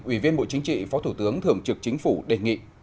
ủy viên bộ chính trị phó thủ tướng thường trực chính phủ đề nghị